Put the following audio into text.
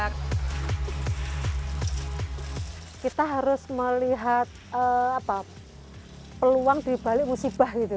kita harus melihat peluang dibalik musibah gitu